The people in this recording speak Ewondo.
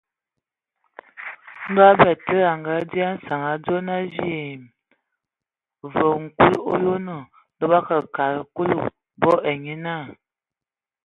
Ndɔ batsidi a ngadzye a nsǝŋ adzo a vyɛɛ̂! Vǝ kul o yonoŋ. Ndɔ bə akǝ kad Kulu, bo ai nye naa.